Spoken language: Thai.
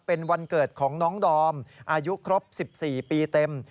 เป็นวันเกิดของน้องดอมอายุครบ๑๔ปีเต็ม